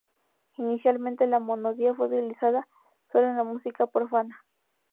Inicialmente la monodia fue utilizada sólo en la música profana.